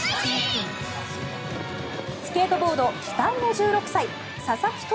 スケートボード、期待の１６歳佐々木音